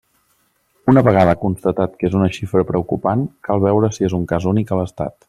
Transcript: Una vegada constatat que és una xifra preocupant, cal veure si és un cas únic a l'Estat.